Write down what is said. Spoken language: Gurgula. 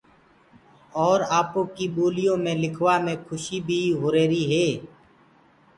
اور آپو ڪيِ ٻوليو مي لکوآ مي کُشيٚ بيِٚ هو ريهريِٚ هي۔